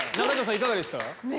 いかがでした？